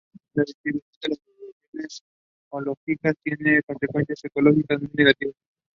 The station is located under the southern roadway on Vladimir Vazov Blvd.